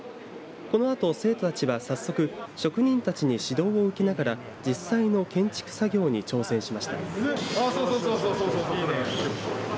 このあと生徒たちは早速職人たちに指導を受けながら実際の建築作業に挑戦しました。